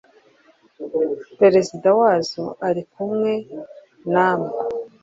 perezida wazo ari kumwe na mwe